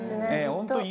本当に。